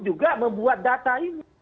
juga membuat data ini